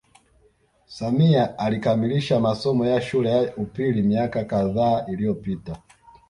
Samia alikamilisha masomo ya shule ya upili miaka kadhaa iliyopita